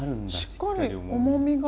しっかり重みが。